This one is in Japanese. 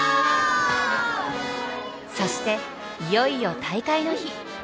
そしていよいよ大会の日。